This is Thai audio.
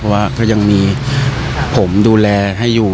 เพราะว่าก็ยังมีผมดูแลให้อยู่